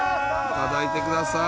頂いてください。